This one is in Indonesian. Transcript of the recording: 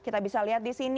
ya kita bisa lihat disini